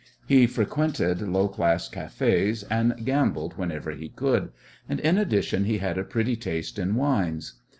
He frequented low class cafés, and gambled whenever he could, and, in addition, he had a pretty taste in wines.